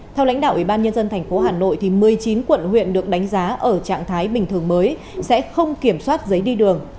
theo lãnh đạo ubnd tp hà nội một mươi chín quận huyện được đánh giá ở trạng thái bình thường mới sẽ không kiểm soát giấy đi đường